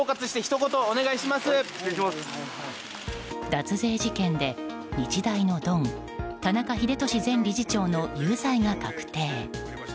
脱税事件で日大のドン、田中英寿前理事長の有罪が確定。